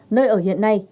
nơi ở hiện nay